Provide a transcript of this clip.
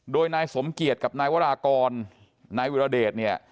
โดยนายสมเกียจกับนายวรากรนายวิรเดชเนี่ย